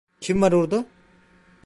Kim var orada?